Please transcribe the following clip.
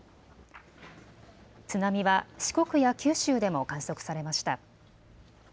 津波は四国や九州でも観測されました。